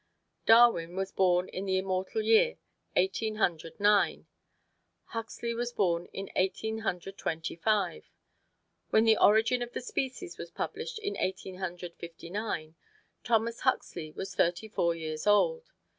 Darwin was born in the immortal year Eighteen Hundred Nine. Huxley was born in Eighteen Hundred Twenty five. When "The Origin of Species" was published in Eighteen Hundred Fifty nine, Thomas Huxley was thirty four years old.